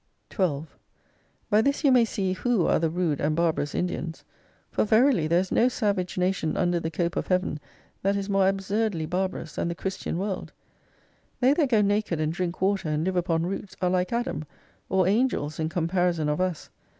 1 66 1^ By this you may see who are the rude and bar barous Indians : For verily there is no savage nation under the cope of Heaven, that is more absurdly bar barous than the Christian >X/"orld, They that go naked and drink water and live upon roots are like Adam, or Angels in comparison of us.